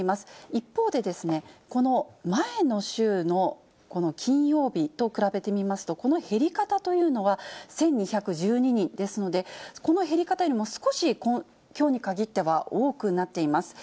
一方で、この前の週のこの金曜日と比べてみますと、この減り方というのは、１２１２人ですので、この減り方よりも少しきょうにかぎっては多くなっています。